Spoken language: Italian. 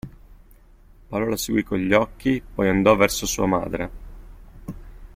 Paolo la seguì con gli occhi, poi andò verso sua madre.